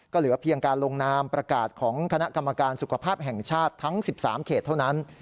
ก็เหลือเพียงการลงนามประกาศของคณะกรรมการสุขภาพแห่งชาติทั้ง๑๓เขตเท่านั้น